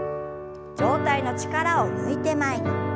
上体の力を抜いて前に。